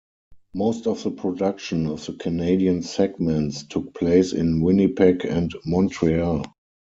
Most of the production of the Canadian segments took place in Winnipeg and Montreal.